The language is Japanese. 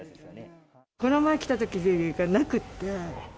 この前来たとき、なくって。